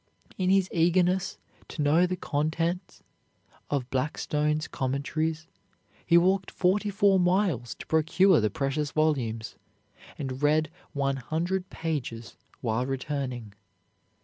In his eagerness to know the contents of Blackstone's Commentaries, he walked forty four miles to procure the precious volumes, and read one hundred pages while returning.